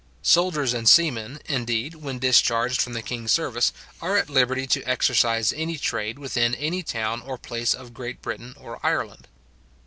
Soldiers and seamen, indeed, when discharged from the king's service, are at liberty to exercise any trade within any town or place of Great Britain or Ireland.